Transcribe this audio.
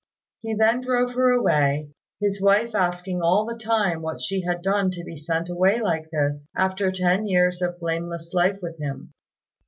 He then drove her away, his wife asking all the time what she had done to be sent away like this after ten years of blameless life with him.